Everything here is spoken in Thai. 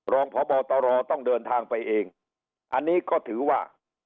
รองพบตรต้องเดินทางไปเองอันนี้ก็ถือว่า